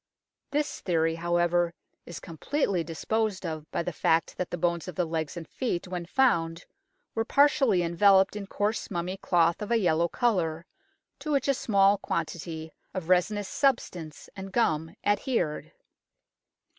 This theory, however, is completely disposed of by the fact that the bones of the legs and feet when found were partially enveloped in coarse mummy cloth of a yellow colour, to which a small quantity of resinous substance and gum adhered.